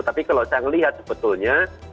tapi kalau saya melihat sebetulnya